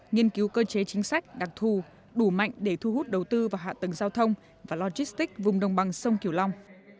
nghiên cứu cơ chế chính sách đặc thù đủ mạnh để thu hút đầu tư vào hạ tầng giao thông và logistics vùng đồng bằng sông kiều long